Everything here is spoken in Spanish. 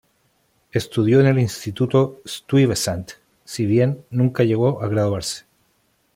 Estudió en el instituto Stuyvesant, si bien nunca llegó a graduarse.